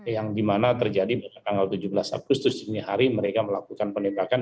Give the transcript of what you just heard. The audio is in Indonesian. yang di mana terjadi pada tanggal tujuh belas agustus ini hari mereka melakukan penembakan